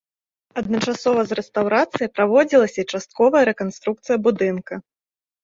Адначасова з рэстаўрацыяй праводзілася і частковая рэканструкцыя будынка.